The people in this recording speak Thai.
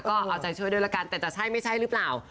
ก็เอาใจช่วยด้วยละกันแต่จะใช่ไม่ใช่หรือเปล่า